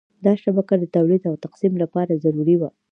دا شبکه د تولید او تقسیم لپاره ضروري وه.